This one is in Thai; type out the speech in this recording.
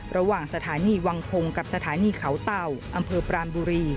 ระหว่างสถานีวังพงศ์กับสถานีเขาเต่าอำเภอปรานบุรี